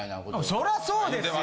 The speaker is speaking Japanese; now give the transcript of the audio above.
そりゃそうですよ。